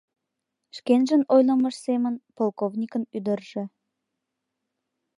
Шкенжын ойлымыж семын, полковникын ӱдыржӧ.